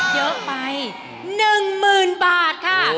เยอะไป๑๐๐๐บาทค่ะ